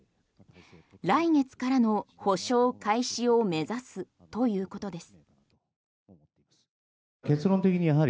来月からの補償開始を目指すということです。